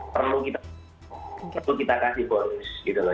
perlu kita kasih bonus gitu loh